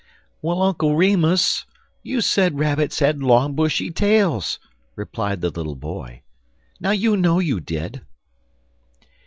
"Well, but Uncle Remus, you said rabbits had long, bushy tails," replied the little boy. "Now you know you did."